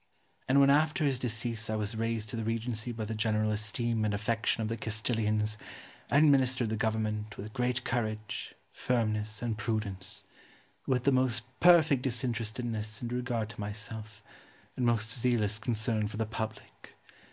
And when after his decease I was raised to the regency by the general esteem and affection of the Castilians, I administered the government with great courage, firmness, and prudence; with the most perfect disinterestedness in regard to myself, and most zealous concern for the public.